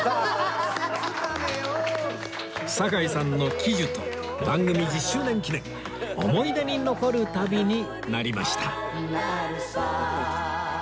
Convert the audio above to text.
堺さんの喜寿と番組１０周年記念思い出に残る旅になりました